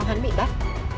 hắn bị bắt